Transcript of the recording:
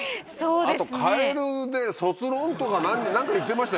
あとカエルで卒論とか何か言ってましたよ。